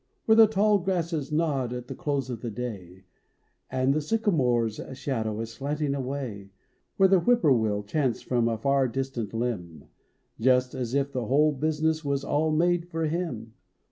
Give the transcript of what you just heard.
Where the tall grasses nod at the close of the day, And the sycamore s shadow is slanting away Where the whipporwill chants from a far distant limb Just as if the whole business was all made for him.